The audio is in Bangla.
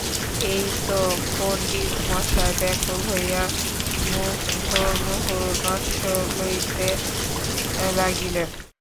এই তো পণ্ডিতমহাশয় ব্যাকুল হইয়া মুহুর্মুহু নস্য লইতে লাগিলেন।